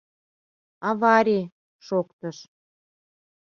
Аварий... — шоктыш.